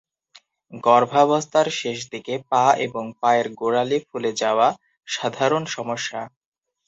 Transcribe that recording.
গর্ভাবস্থার শেষ দিকে পা এবং পায়ের গোড়ালি ফুলে যাওয়া সাধারণ সমস্যা।